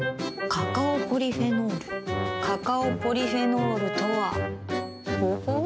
カカオポリフェノールカカオポリフェノールとはほほう。